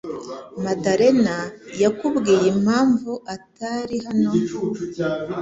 Madalena yakubwiye impamvu atari hano?